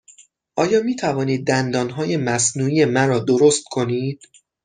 آیا می توانید دندانهای مصنوعی مرا درست کنید؟